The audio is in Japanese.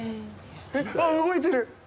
えっ、あっ、動いてる！